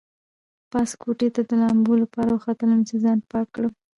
پاس کوټې ته د لامبو لپاره وختلم چې ځان پاک کړم.